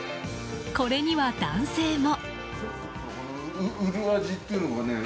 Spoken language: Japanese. これには男性も。